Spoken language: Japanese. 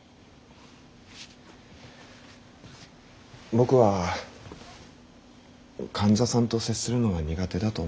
僕は患者さんと接するのは苦手だと思ってきました。